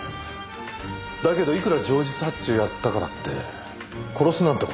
だけどいくら情実発注やったからって殺すなんて事。